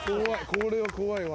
これは怖いわ。